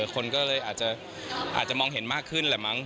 คนก็เลยอาจจะมองเห็นมากขึ้นแหละมั้ง